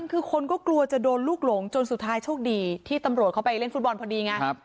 คือคนก็กลัวจะโดนลูกหลงจนสุดท้ายโชคดีที่ตำรวจเขาไปเล่นฟุตบอลพอดีไง